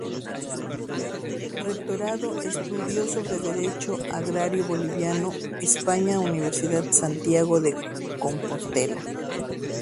Rectorado Estudio sobre Derecho Agrario Boliviano; España Universidad Santiago de Compostela.